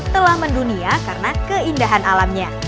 telah mendunia karena keindahan alamnya